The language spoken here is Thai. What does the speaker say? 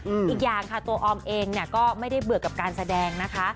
อีกอย่างค่ะตัวออมเองเนี่ยก็ไม่ได้เบื่อกับการแสดงนะคะ